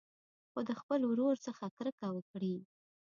خو د خپل ورور څخه کرکه وکړي.